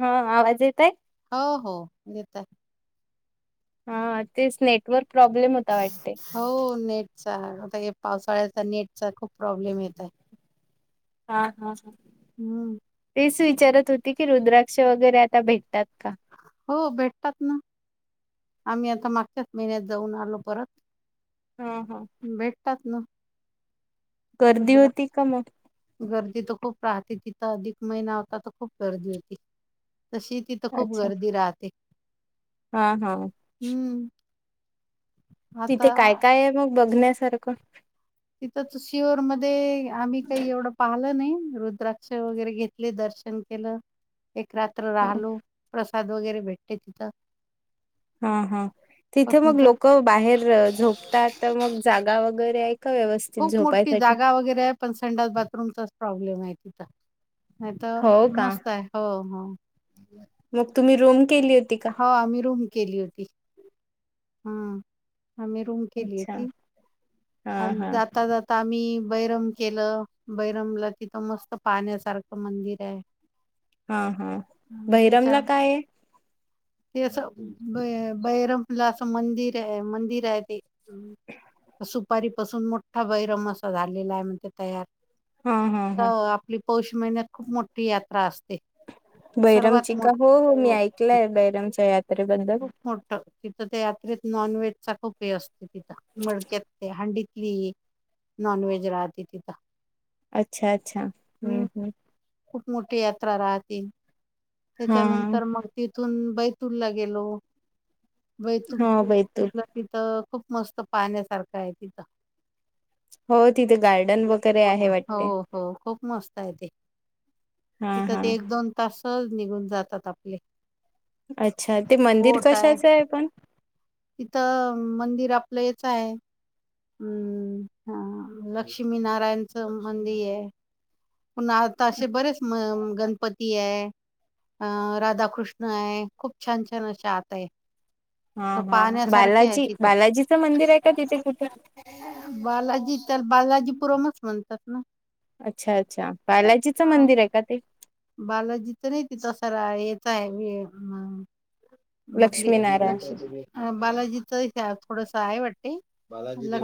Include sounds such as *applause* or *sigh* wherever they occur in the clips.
हा आवाज येतय? हो हो येत आहे. हा तेच नेटवर्क प्रॉब्लेम होता वाटते. हो आता पावसाळ्याचा नेटचा खूप प्रॉब्लेम येत आहे. हा हा हा. हम्म. विचारत होती की रुद्राक्ष वगैरे आता भेटतात का? हो भेटतात ना आम्ही आता मागच्याच महिन्यात जाऊन आलो परत. हा हा. भेटतात ना. गर्दी रुद्र होती का मग. गर्दी तर खूप राहते तिथं अधिक महिना होता तर खूप गर्दी होती तशी तिथं खूप अच्छा गर्दी राहते. हा हा. हम्म. आता तिथे काय काय आहे मग बघण्यासारखं. तिथंच शिर मध्ये आम्ही काही एवढं पाहिलं नाही. रुद्राक्ष वगैरे घेतले दर्शन केलं एक रात्र हा राहलो. प्रसाद वगैरे भेटते तिथं. हा हा तिथे पण मग जा लोक बाहेर झोपतात मग जागा वगैरे. का व्यवस्थित खूप मोठी झोपायसाठी? जागा वगैरे आहे पण संड बाथरूमचाच प्रॉब्लेम आहे तिथं. नाही तर हो का मस्त आहे हो हो. मग तुम्ही रोम केली. होती का? हो आम्ी रूम केली होती हम्. आम्ही रूम केली आहे अच्छा ती हा आणि हा जाता जाता. मी बैरम केलं बैरमला तिथं मस्त पाण्यासारखं मंदिर आहे. हा हा हम्म त्याच्या बहिरमला काय आहे? ते अस ब बैरला असं मंदिर आहे मंदिर आहे ते. सुपारी पाासून मोठा बैरम असा झालेला आहे म्हण ते तयार. हा हम हम. तर आपली पौष महिनत खूप मोठी यात्रा असते. बैरमची सर्वात का हो मोठी हो मी ऐकलंय बैरमच्या यात. खूप मोठ तिथं ते यात्रेत नॉन व्हेज. खूपे असते तिथं मडक्यात ते हंडीतली नॉन व्हेज राहते तिथं. अच्छा अच्छा हम्म हम्म. खूप मोठी यात्रा राहते हा त्याच्यानंतर मग तिथून बैतूल लाे. गेलो वैल हा बैतूल पिथ. खूप मस्त पाण्यासारखं आहे तिथं हो तिथे गार्डन वगैरे आहे वाटते हो हो खूप मस्त आहे ते हा तिथं हा ते एक दोन तासच निघून जातात आपले अच्छा ते मंदिर होट आहे कशाचं पण तिथं मंदिर आपलं य काय हम्म हा लक्ष्मीनारायणच मंदिर आहे प आता असे बरेच गणपती आहे अं राधाकृष्ण आहे खूप छान छान अशा आत आहे *inaudible* हा तर हा पाहण्यासारखे आहे बालाजी तिथं बालाजीचं मंदिर आहे का तिथे कुठे बालाजी तर बालाजीपुरमच म्हणतात ना अच्छा अच्छा बालाजीचं हा मंदिर आहे का ते बालाजीच नाही तिथं याच आहे म आपली लक्ष्मीनारायण लक्ष बालाजीच थोडस आहे वाटते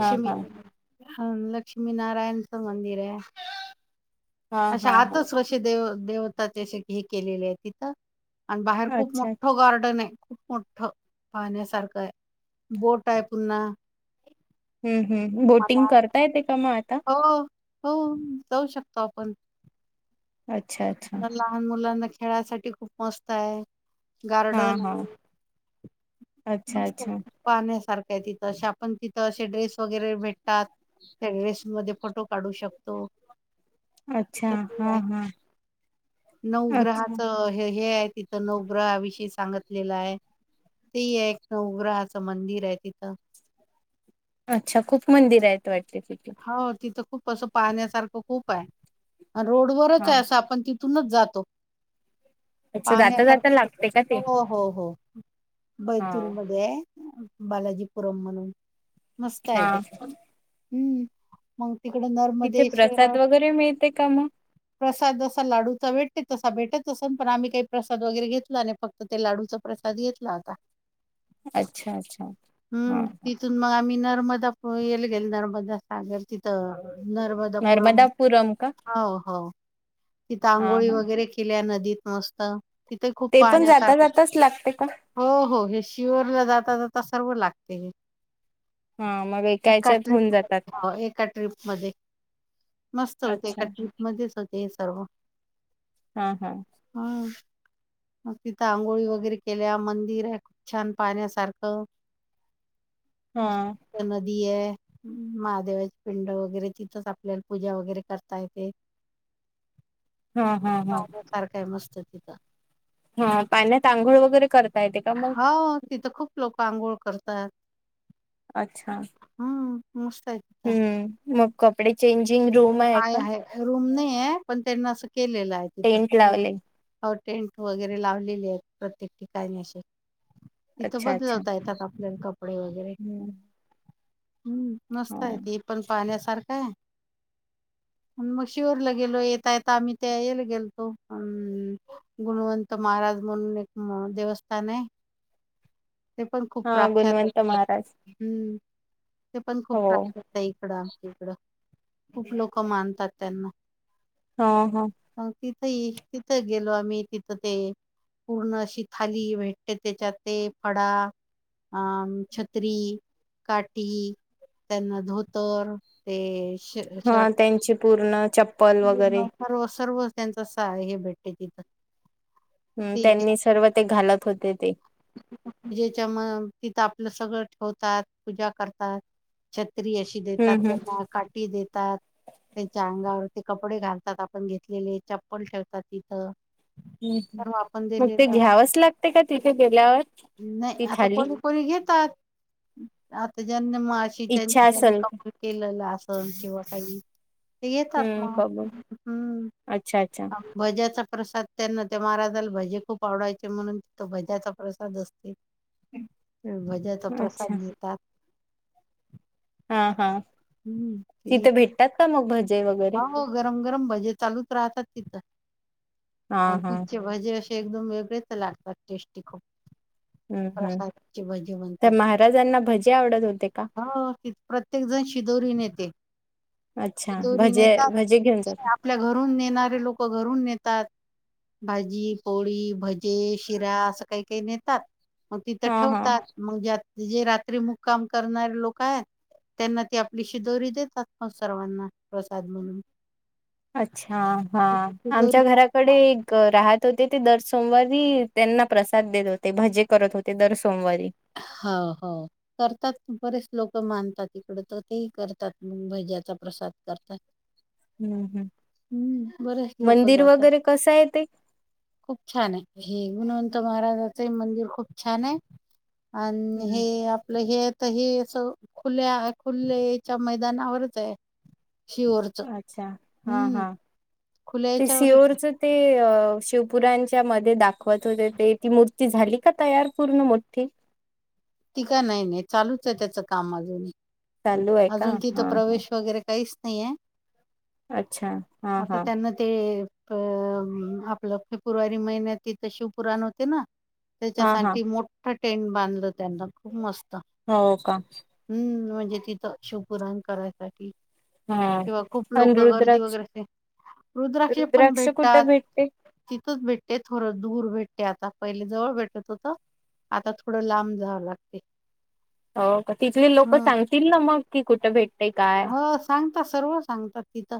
हा हा ह लक्ष्मीनारायणच मंदिर आहे हा अा हा हा आताच कसे देव देवताचेे हे केलेले आहे तिथं आणि बाहेर खूप अच्छा मोठं गार्डन आहे खूप मोठं पाहण्यासारखं आहे बोट आहे पुन्हा हम्म हम् बोटिंग मला करता येते का म हो हो जाऊ शकतो आपण अच्छा अच्छा लहान मुलांना खेळासाठी खूप मस्त आहे हा गार्डन हा अच्छा अच्छा ार तिथ आपण तिथं असे ड्रेस वगैरे भेटतात त्या ड्रेसमध्ये फोटो काढू शकतो अच्छा हा हा अच्छा नऊग्रहाचं हे हे आहे तिथं नऊग्रहाविषी सांगत लेला आहे ते आहे एक नवग्रहाचं मंदिर आहे तिथं अच्छा खूप मंदिर आहेत वाट हो तिथं खूप असं पाण्यासारखं खूप आहे आणि रोडवरच हा आहे असं आपण तिथ तूनच जातो अच्छा जाता जाता पाहण्यासारख लागते का ते हो हो हो हा बैतूलमध्येध्ये आहे बालाजीपुरम म्हणून मस्त आहेेत हा, हम्म म तिकड तिथे प्रसाद नर्मदेश्वरात वगैरे मिळते का मग प्रसाद असा लाडूचा भेटते तस ता भेटत असे पण आम्ही काही प्रसाद वगैर घेतला आणि फक्त ते लाडूचा प्रसाद घेतला आता अच्छा अच्छा हा हम्म हा. तिथून मग आम्ही न नर्मदा प येईल गेल नर्मदा सांगेल तिथं नर्मदापुरम ह हो तिथ हा आघोळी हा वगैरे केल्या नदीत मस्त तिथे खूप ते पण पाण्या जाता सारख जाताच लागते का हो हो हे शिरला जाता जात सर्व लागते हे हा मग एका याच्यात होऊन जातात ट्रीप एका ट्र्रीप म मस्त होते अच्छा एका ट्रीप मध्येच होते हे सर्व हा हा हम्म मग तिथं आंघोळी वगैरे केल्या मंदिर खूप छान पाण्यासारखं *inaudible* अ हा त्यां आहे महादेवाचे पिंड वगैरे तिथंच आपल्याला पूजा वगैरे करता येते *inaudible* हा हा हा माझ सारखं आहे मस्त तिथं हा पाण्यातत आंघोळ वगैरे करता येते का मग हो तिथं खूप लोक आंघोळ करतात अच्छा मुस्ायत का हम्म मग कपडे चेंजिंग रूम आहे काय का आहे रूम नाही आहे पण त्यांना असं केलेलं आहे टेंट तिथं रूम लावले टेंट वगैरे लावलेले आहेत प्रत्येक ठिकाणी असे तिथं अच्छा अच्छा बदलवता येतात आपल्या कपडे वगैरे हम्म. हम्म हा मस्त आहे त पण पाण्यासारखा आहे मग शिरला गेलो येता यता आम्ही ते येला गेलतो गुणवंत म महाराज म्हणून एक देवस्थान आहे ते पण खूप हा प्राख्यात गुणवंत महाराज हम्म ते पण खूप हो त्रास होत इकडं इकडं खूप लोक मानतात त्यांना हो हो तिथही तिथं गेलो आम्ही तिथं ते पूर्ण अशी थाली भेटते त्याच्या ते फडा अम छत्री काठी त्यांना धोतर ते श हा शर्ट त्यांची पूर्ण चप्पल वगैरे सर्व सर्व त्यांचा स आहे हे भेटते तिथं हम् ते त्यांनी सर्व ते घालत होते ते पूजेच्या म तिथं आपलं सगळं ठेवतात पूजा करतात छ त्री अशी देतात हम्म त्यांना काठी देतात त्यांच्या अंगावर ते कपडे घालतात आपण घेतलेले चप्पल ठेवतात तिथं ् सर्व आपण मग ते दिलेलं घ्यावंच लागते का तिथे गेल्यावर नाही ती आता थाली कोणी कोली घेतात आता ज्यांना मा अशी इच्छा त्यांनी ज्यांना असेल कमल केलेला अस किंवा काही ते येतात खबर अच्छा अच्छा भज्याचा प्रसाद त्यांना त्या महाराजाला भजे खूप आवडायचे म्हणून तथ भज्याचा प्रसाद असते मजा तर अच्छा प्रसाद मिताात हा हा तिथं भेटतात का मग भज हो हो गरम गरम भाजे चालूच राहतात तिथं हा अ हा तिचे भजे असे एकदम वेगळेच लागतात टेस्टी खूप हम्म हम्म प्रसादची भजी तर म्हनतात महाराजांना भजे आवडत होते का ह तथ प्रत्येक जण श विदोरी नेते अच्छा भजे भजे घेऊन जाते आपल्या घरून नेणारे लोक घरून न भाजी पोळी भजे शिरा असं काही काही नेतात मग तिथं हा हा ठेवतात मग जे जे रात्री मुक्काम करणारे लोक आहेत त्यांना ती आपलीशी दोरी देतात ना सर्वांना प्रसाद म्हणून अच्छा हा शिदोरी आमच्या घराकडे एक राहत होते ते दर्श सोमवारी त्यांना प्रसाद देत होते भजे करत होते दर सोमवारी होा हो करतात बरेच लोक मानतात इकड तर तेही करतात मग भज्याचा प्रसाद करतात हम्म हम् हम्म बरेच लोक मंदिर जातात वगैरे कसं आहे ते खूप छान आहे हे म्हण महाराजाचं मंदिर खूप छान आहे आणि हे हम्म आपलं हे तर हे अस खुल्या खुलेच्या मैदानावरच आहे शिवरचं अच्छा हा हम्म हा. खुल्या ते याच्यावरच सिओरच ते शिवपुरांच्या मध्ये दाखवत होते ते ती मूर्ती झाली का तयार पूर्ण मोठी ती काय नाही नाही चालूच आहे त्याचं काम अजून चालू आहे का अजून तिथं हा हा प्रवेश वगैरे काहीच नाहीये? अच्छा हा आता हा त्यांना ते. अ आपलं फेब्रुवारी महिन्यात त तर शिव पुुराण होते ना? हा हा त्याच्यासाठी मोठं टेंट बांधलं त्यांना खूप मस्त हो का? म्हजे तिथं शिपुराण करायसाठी? हा किंवा खूप आणि लोक गर्दी रुद्राक्ष वगैरे असे रुद्राक्षे पण रुद्राक्ष भेटतात? कुठं भेटते? तिथंच भेटते थोडं दूर भेट- ते आता पहिले जवळ भेटत होत आता थोडं लांब जावं लागते. हो का तिथले लोक ह सांगतील ना मग कि कुठं भेटतय काय? हो सांगतात सर्व सांगतात तिथ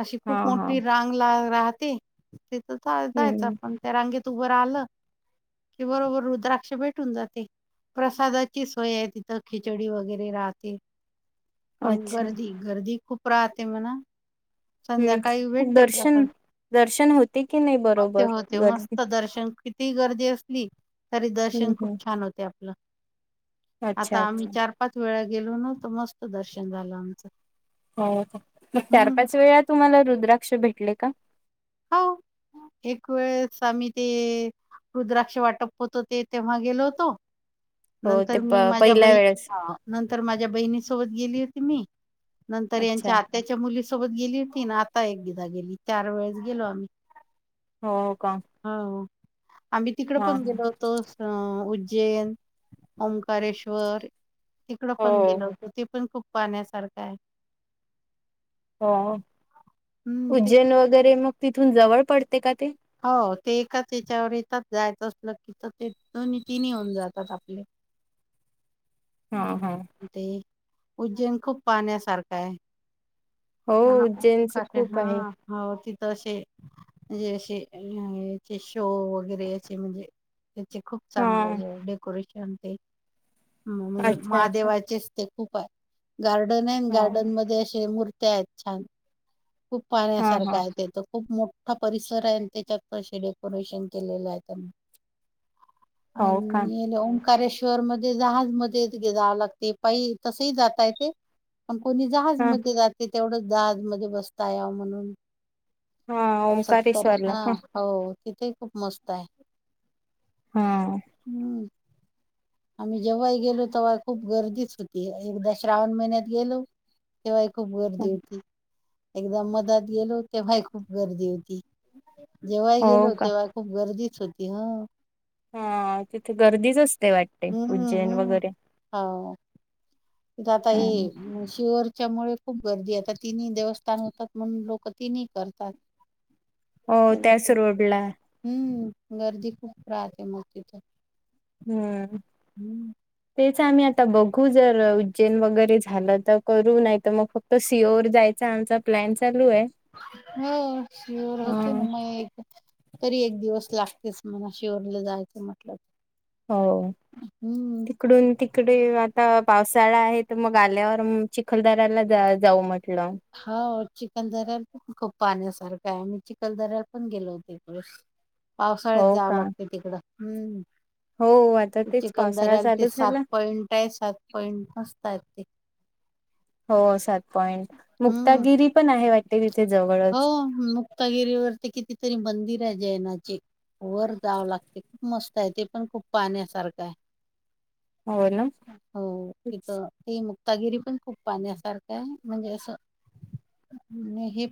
अशी हा खूप हा मोठी रांग ला राहते? जायचं हम्म आपण त्या रांगेत उभं रा आलं कि बरोबर रुद्राक्ष भेटून जाते? प्रसादाची सोय आहे तिथं खिचडी वगैरे राहते. पण अच्छा गर्दी -गर्दी खूप राहते म्हण संध्याकाळी हम्म भेटते दर्शन प्रसाद. दर्शन होते की नाही होते बरोबर होते गर्दी मस्त दर्शन किती गर्दी असली तरी हम्म दर्शन हम्म खूप छान होते आपलं. अच्छा आता आम्ही अच्छा चार पाच वेळा गेलो ना तर मस्त दर्शन झालं आमचं. हो मग चार हम्म पाच वेळा तुम्हाला रुद्राक्ष भेटले का? हो. एक वेळेस आम्ही ते. रुद्राक्ष वाटप होतो ते तेव्हा गेलो होतो? हो ते नंतर प मी माझ्या पहिल्या बहीनी वेळेस हा नंतर माझ्या बहिणी सोबत गेली होती मी. नंतर अच्छा यांच्या आत्याच्या मुलीसोबत गेली होती ना आता एकदा गेली चार वेळेस- गेलो आम्ही हो हो का हो. आम्ही तिकड हा पण गेलो होतो? जैन ओंकारेश्वर तिकड हो पण गेलं होत ते पण खूप- पाण्यासारखा आहे. हो हम्म ते उज्जैन वगैरे मग तिथून जवळ पडते का ते. हो ते एकाच याच्यावर येतात जायचं असलं की ते दोन्ही तिन होऊन जातात आपले- *unintelligible* हा हा ते उज्जैन खूप पाहण्यासारखा आहे हो उज्जैनच क खूप हा आहे. हो तिथ अस म्हणजे अस- याचे शो वगैरे याचे म्हणजे त्याचे खूप हा चांगले डेकोरेशन ते म्हणजे अच्छा अच्छा महादेवाचेच ते खूप आहे- गार्डन आहे हो गार्डन मध्ये असे मूर्त्या आहेत छान खूप- हा पाहण्यासारख हा आहे तेथे खूप मोठा परिसर आहे. त्याच्यात पदर्शन डेकोरेशन केलेलं आहे त्यांनी हो आणि का ओंकारेश्वर ओकारेश्वर मध्ये जहाज मध्ये जावं लागते पाई तसही जाता येतय. पण कोणी हा जहाजमध्ये जाते तेवढंच जहाज मध्ये बसता याव म्हणून? हा सत्तर ओंकारेश्ववरला हा हो तिथेही खूप मस्त आहे. हा हम्म आम्ही जेव्हाही गेलो तेव्हा खूप गर्दीच होती एकदा श्रावण महिन्यात गेलो. तेव्हाय खूप गर्दी होती. एकदा मधात गेलो तेव्हाही खूप गर्दी होती. जेव्हा हो गेलो का तेव्हा खूप गर्दीच होती ह- हा तिथे गर्दीच, हम्म हम्म तिथ आता ह शिर- त्याच्यामुळे खूप गर्दी आहेता तिन्ही देवस्थान होतात. म्हणून लोक तिन्ही करतात. हो त्याच रोडला, हम्म गर्दी खूप राहते म तेथे, हम्म तेच, *unintelligible* प्लॅ, हो होते ना हा. मग तरी एक दिवस लाग, *unintelligible* हो तिकडून त *unintelligible* *unintelligible* चिखल दर्याल पण खूप पाण्यासारखं आहेम्ही चिखल दर्याला पण गेलो होते. हो पावसाळ्यात जावं का? लागते. तिकडं हम्म, हो, आता तेच पावसाळा चालू झाला *unintelligible* हो सात, हम्म तिथे जवळच *unintelligible* वर जावं लागते खूप मस्त आहे. ते पण खूप पाण, हो ना? हो तिथं ते मग, रत्नागिरी पण खूप पाण्यासारखा आहे. म्हणेज असं,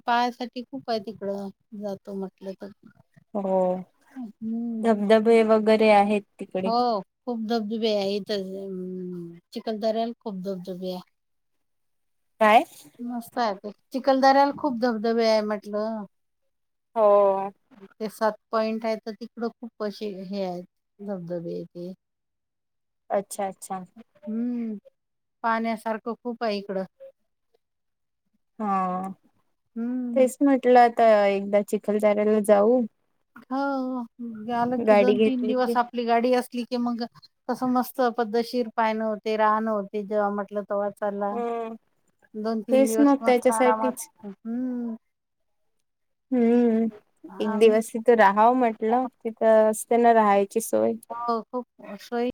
पायासाठीठी खूप आहे तिकडं जातो म्हटलं तर हो हम्म धबधबे वगैरे आहेत. तिकडे. *unintelligible* खूप धबधबे आहे. काय? *unintelligible* हो, पॉईंट आहे. तर तिकड खूप असे हे आहेत धबधबे ते, अच्छाच्छा, हम्म पाण्यासारखं खूप आहे इकडं. हा हम्म तेच म्हटलं आता एकदा चिखलदऱ्याला जाऊ, हो आलं की गाडी दोन तीन घेतली की दिवस आपली गाडी असली की मग कस मस्त पद्धशीर पाय नं होते, राहणं होते जेव्हा म्हटल, तवा चला, तेच मग त्याच्यासाठीच हम्म एक आम्ही दिवस तिथं राहावं म्हटलं तिथं असतेना राहायचं. हो खूप सोई,